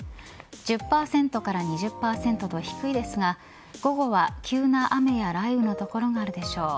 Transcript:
１０％から２０％と低いですが午後は急な雨や雷雨の所があるでしょう。